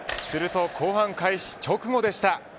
すると、後半開始直後でした。